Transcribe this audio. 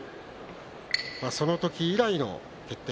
その時以来の決定